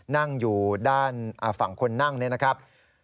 นั่งอยู่ด้านฝั่งคนนั่งเนี่ยนะครับ